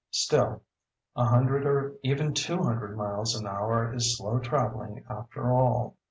Still a hundred or even two hundred miles an hour is slow travelling after all.